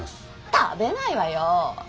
食べないわよ。